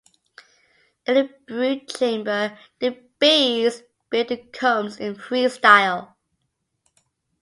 In the brood chamber, the bees built the combs in free style.